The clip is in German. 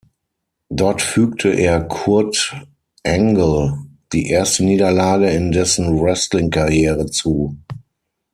Dort fügte er Kurt Angle die erste Niederlage in dessen Wrestling-Karriere zu.